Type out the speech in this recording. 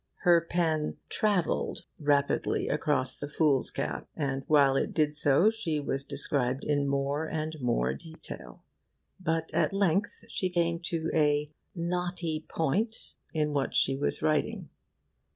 Her pen 'travelled' rapidly across the foolscap, and while it did so she was described in more and more detail. But at length she came to a 'knotty point' in what she was writing.